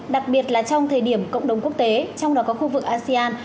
đặc biệt là trong thời điểm cộng đồng quốc tế trong đó có khu vực asean